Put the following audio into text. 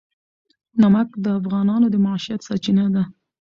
نمک د افغانانو د معیشت سرچینه ده.